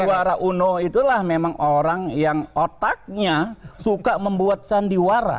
sandiwara uno itulah memang orang yang otaknya suka membuat sandiwara